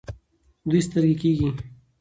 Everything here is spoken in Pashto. دوی سترګۍ کیږي.